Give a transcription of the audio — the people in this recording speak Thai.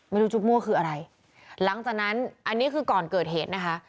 จุ๊บมั่วคืออะไรหลังจากนั้นอันนี้คือก่อนเกิดเหตุนะคะ